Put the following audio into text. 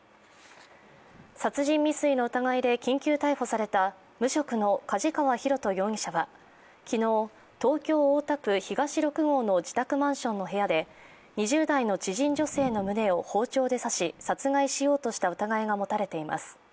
殺人未遂の疑いで緊急逮捕された無職の梶川寛人容疑者は昨日、東京・大田区東六郷の自宅マンションの部屋で２０代の知人女性の胸を包丁で刺し、殺害しようとした疑いが持たれています。